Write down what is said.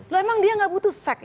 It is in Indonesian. loh emang dia nggak butuh seks